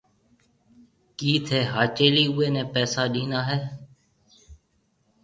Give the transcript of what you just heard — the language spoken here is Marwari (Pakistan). ڪِي ٿَي هاچيلِي اوَي نَي پيسآ ڏِنا هيَ؟